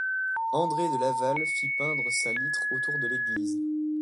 André de Laval fit peindre sa litre autour de l'église.